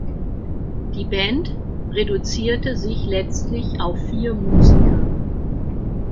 Die Band reduzierte sich letztlich auf vier Musiker.